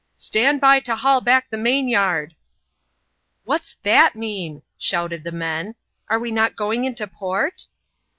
<^ Stand by to haul back the main yard !"" What's that mean ?" shouted the men, "are we not going into port?"